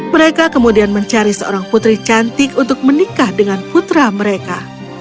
mereka kemudian mencari seorang putri cantik untuk menikah dengan putra mereka